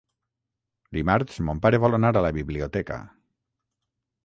Dimarts mon pare vol anar a la biblioteca.